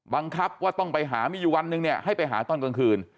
บังคับว่าต้องไปหามีอยู่วันหนึ่งเนี่ยให้ไปหาตอนกลางคืน